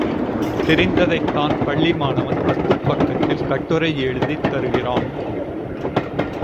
தெரிந்ததைத்தான் பள்ளி மாணவன் பத்துப் பக்கத்தில் கட்டுரை எழுதித் தருகிறான்.